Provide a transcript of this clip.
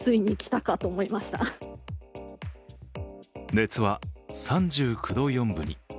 熱は３９度４分に。